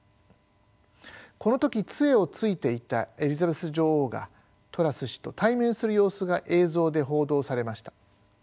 この時杖をついていたエリザベス女王がトラス氏と対面する様子が映像で報道されました。